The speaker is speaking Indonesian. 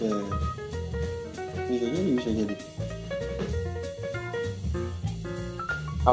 bisa jadi bisa jadi